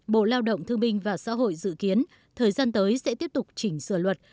bộ lao động thương minh và xã hội dự kiến thời gian tới sẽ tiếp tục chỉnh sửa luật